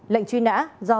lệnh truy nã do